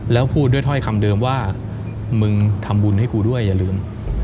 แล้วพูดด้วยถ้อยคำเดิมว่ามึงทำบุญให้กูด้วยอย่าลืม